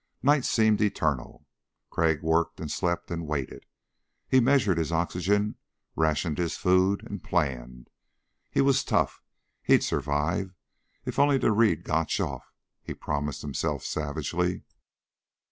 Night seemed eternal. Crag worked and slept and waited. He measured his oxygen, rationed his food, and planned. He was tough. He'd survive. If only to read Gotch off, he promised himself savagely.